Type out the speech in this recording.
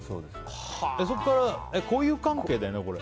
そこからの交友関係だよね？